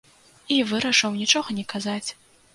І вырашыў нічога не казаць.